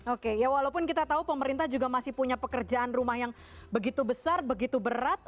oke ya walaupun kita tahu pemerintah juga masih punya pekerjaan rumah yang begitu besar begitu berat